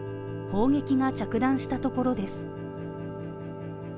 砲撃が着弾したところです。